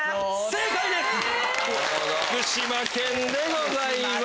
正解です！